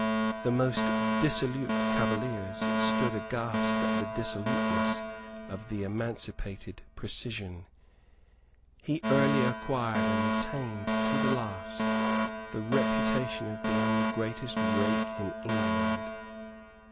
The most dissolute cavaliers stood aghast at the dissoluteness of the emancipated precisian. He early acquired and retained to the last the reputation of being the greatest rake in England.